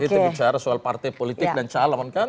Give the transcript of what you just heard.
kita bicara soal partai politik dan calon kan